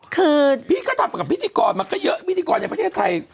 คือพี่ก็ทำกับพิธีกรมาก็เยอะพิธีกรในประเทศไทย